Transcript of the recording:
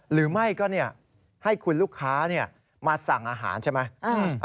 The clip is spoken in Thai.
หรือไม่ก็ให้คุณลูกค้ามาสั่งอาหารใช่ไหม